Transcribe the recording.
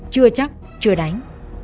chưa chắc chưa đánh